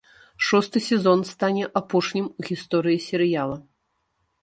Шосты сезон стане апошнім у гісторыі серыяла.